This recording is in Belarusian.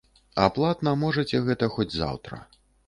А платна можаце гэта хоць заўтра.